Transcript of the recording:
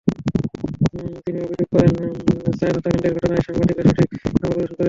তিনি অভিযোগ করেন, সায়াদ হত্যাকাণ্ডের ঘটনায় সাংবাদিকেরা সঠিক সংবাদ পরিবেশন করেননি।